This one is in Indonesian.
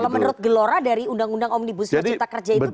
kalau menurut gelora dari undang undang omnibus untuk cita kerja itu gimana